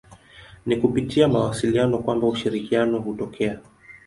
Ni kupitia mawasiliano kwamba ushirikiano hutokea.